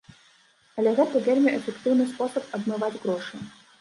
Але гэта вельмі эфектыўны спосаб адмываць грошы.